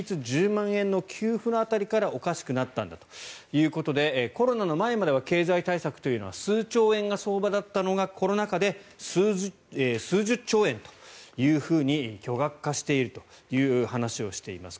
１０万円の給付の辺りからおかしくなったんだということでコロナの前までは経済対策というのは数兆円が相場だったのがコロナ禍で数十兆円というふうに巨額化しているという話をしています。